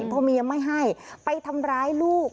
พอเมียไม่ให้ไปทำร้ายลูก